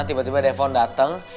tiba tiba depon dateng